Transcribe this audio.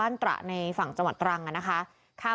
และก็คือว่าถึงแม้วันนี้จะพบรอยเท้าเสียแป้งจริงไหม